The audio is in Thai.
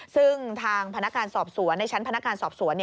ซึ่งทางพนักงานสอบสวนในชั้นพนักงานสอบสวน